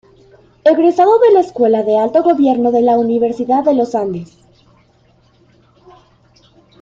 Egresado de la Escuela de Alto Gobierno de la Universidad de Los Andes.